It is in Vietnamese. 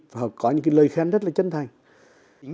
và có những cái lời khen rất là chân thành